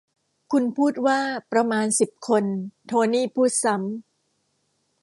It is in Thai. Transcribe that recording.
คุณพูดว่าประมาณสิบคนโทนี่พูดซ้ำ